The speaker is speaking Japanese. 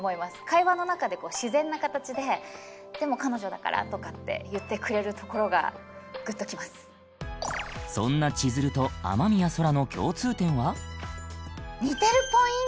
会話の中で自然な形で「でも彼女だから」とかって言ってくれるところがそんな千鶴と雨宮天の共通点は？